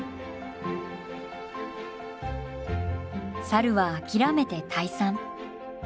サルは諦めて退散。